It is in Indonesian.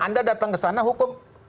anda datang ke sana hukum